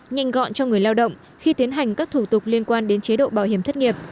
nhanh gọn cho người lao động khi tiến hành các thủ tục liên quan đến chế độ bảo hiểm thất nghiệp